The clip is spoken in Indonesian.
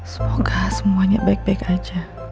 semoga semuanya baik baik aja